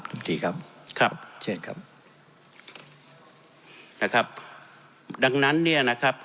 มตรีครับครับเชิญครับนะครับดังนั้นเนี่ยนะครับ